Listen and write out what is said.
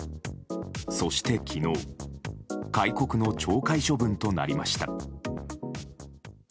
そして昨日戒告の懲戒処分となりました。